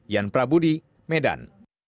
yan prabudi medan